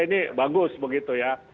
ini bagus begitu ya